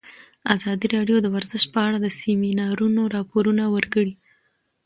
ازادي راډیو د ورزش په اړه د سیمینارونو راپورونه ورکړي.